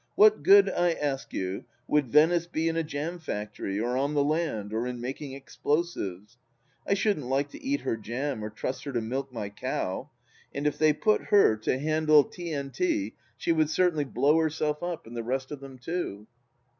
What good, I ask you, would Venice be in a jam factory or on the land or in making explosives ? I shouldn't like to eat her jam or trust her to milk my cow, and if they put her to hand! j 236 THE LAST DITCH T.N.T. she would certainly blow herself up and the rest of them too."